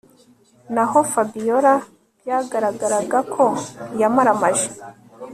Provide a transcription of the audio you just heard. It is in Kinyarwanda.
Naho Fabiora byagaragaraga ko yamaramaje